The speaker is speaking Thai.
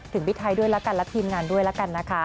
ถึงพี่ไทยด้วยและทีมงานด้วยนะคะ